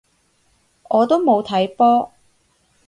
我都冇睇波